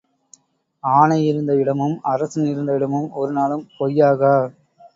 ஆனை இருந்த இடமும் அரசன் இருந்த இடமும் ஒரு நாளும் பொய்யாகா.